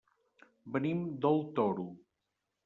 Venim del Toro.